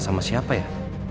sama siapa ya